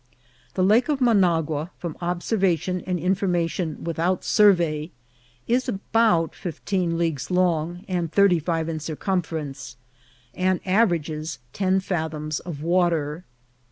The Lake of Managua, from observation and information without survey, is about fifteen leagues long and thirty five in circumference, and averages ten fathoms of wa ter.